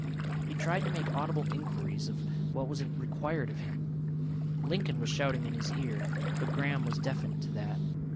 He tried to make audible inquiries of what was required of him. Lincoln was shouting in his ear, but Graham was deafened to that.